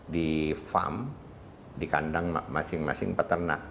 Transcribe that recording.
di farm di kandang masing masing peternak